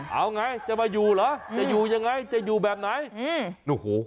เอาไงจะมาอยู่หรอจะอยู่ยังไงจะอยู่แบบนั้นนะ